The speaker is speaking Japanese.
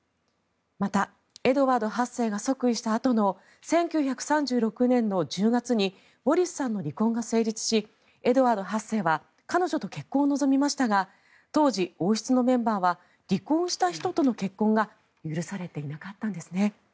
また、エドワード８世が即位したあとの１９３６年の１０月にウォリスさんの離婚が成立しエドワード８世は彼女と結婚を望みましたが当時、王室のメンバーは離婚した人との結婚が許されていなかったんですね。